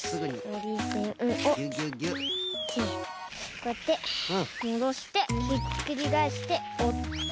こうやってもどしてひっくりがえしておる。